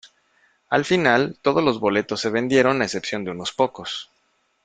Al final, todos los boletos se vendieron a excepción de unos pocos.